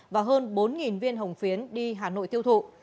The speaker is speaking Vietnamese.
và hơn bốn viên hồng phiến đi hà nội tiêu thụ